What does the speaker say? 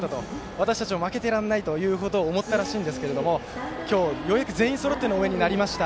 私たちも負けてられないということを思ったらしいんですけど今日ようやく全員そろっての応援になりました。